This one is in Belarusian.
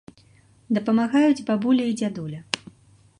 Дапамагаюць бабуля і дзядуля.